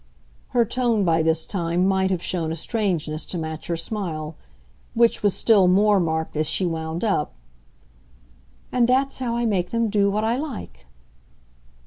Her tone, by this time, might have shown a strangeness to match her smile; which was still more marked as she wound up. "And that's how I make them do what I like!"